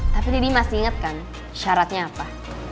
tapi daddy masih inget kan syaratnya apa